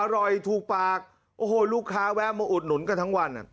ถูกปากโอ้โหลูกค้าแวะมาอุดหนุนกันทั้งวัน